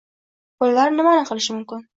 Bolalar nimani qilish mumkin